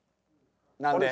・何で？